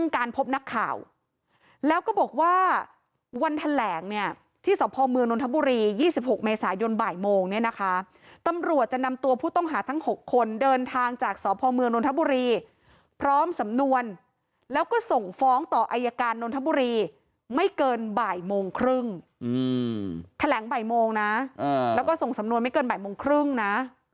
การพบนักข่าวแล้วก็บอกว่าวันแถลงเนี่ยที่สพเมืองนทบุรี๒๖เมษายนบ่ายโมงเนี่ยนะคะตำรวจจะนำตัวผู้ต้องหาทั้ง๖คนเดินทางจากสพเมืองนทบุรีพร้อมสำนวนแล้วก็ส่งฟ้องต่ออายการนนทบุรีไม่เกินบ่ายโมงครึ่งแถลงบ่ายโมงนะแล้วก็ส่งสำนวนไม่เกินบ่ายโมงครึ่งนะ